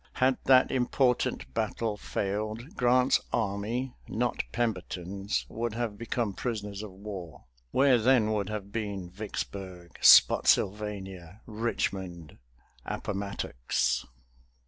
Had that important battle failed, Grant's army, not Pemberton's, would have become prisoners of war. Where then would have been Vicksburg, Spotsylvania, Richmond, Appomattox?